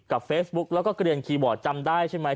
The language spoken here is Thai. เฟซบุ๊กแล้วก็เกลียนคีย์บอร์ดจำได้ใช่ไหม